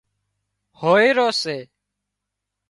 هوئيرو سي